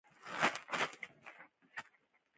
د ګړنګ په غاړه موږ د سیلاب ننداره کوله